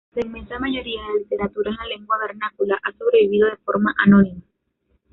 La inmensa mayoría de la literatura en lengua vernácula ha sobrevivido de forma anónima.